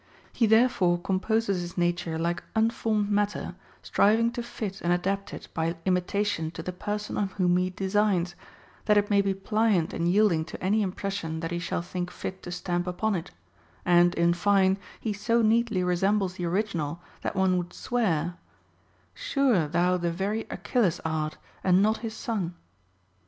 He therefore composes his nature, like unformed matter, striving to fit and adapt it by imita tion to the person on whom he designs, that it may be pliant and yielding to any impression that he shall think fit to stamp upon it ; and, in fine, he so neatly resembles the original, that one would swear, — Sure thou the very Achilles art, and not his son.